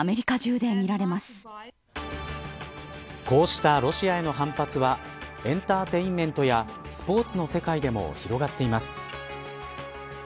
こうしたロシアへの反発はエンターテインメントやスポーツの世界でも広がっています。